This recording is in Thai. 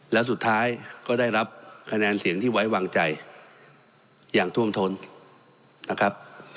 แล้วสุดท้ายก็ได้รับคะแนนเสียงที่ไว้วางใจอย่างท่วมท้นนะครับ